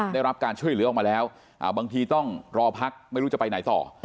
ได้รับการช่วยเหลือออกมาแล้วบางทีต้องรอพักไม่รู้จะไปไหนต่อ